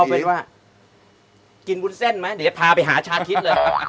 เอาเป็นว่ากินวุ้นเส้นไหมเดี๋ยวจะพาไปหาชาคิดเลย